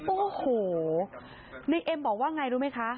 โอ้โหในเอ็มบอกว่าไงรู้ไหมคะ